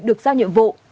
được giao nhiệm vụ